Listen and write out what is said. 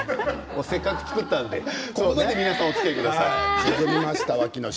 せっかく作ったのでここまでおつきあいください。